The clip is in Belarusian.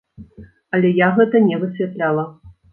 Але я гэта не высвятляла.